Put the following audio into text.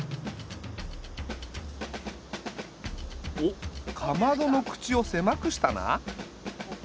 おっかまどの口を狭くしたな。